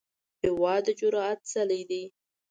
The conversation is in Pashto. هېواد د جرئت څلی دی.